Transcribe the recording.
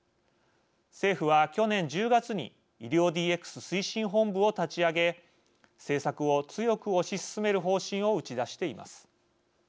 政府は去年１０月に医療ＤＸ推進本部を立ち上げ政策を強く推し進める方針を打ち出しています。